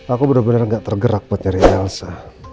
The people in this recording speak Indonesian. aku bener bener nggak tergerak buat nyari elsa